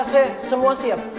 saya semua siap